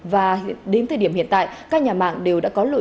và đến thời điểm hiện tại các nhà mạng đều đã có lộ trình cụ thể